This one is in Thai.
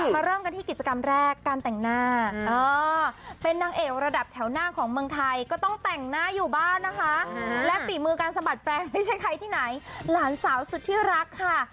เริ่มกันที่กิจกรรมแรกการแต่งหน้าเป็นนางเอกระดับแถวหน้าของเมืองไทยก็ต้องแต่งหน้าอยู่บ้านนะคะและฝีมือการสะบัดแปลงไม่ใช่ใครที่ไหนหลานสาวสุดที่รักค่ะ